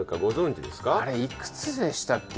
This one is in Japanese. あれいくつでしたっけ